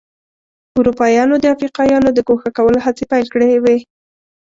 اروپایانو د افریقایانو د ګوښه کولو هڅې پیل کړې وې.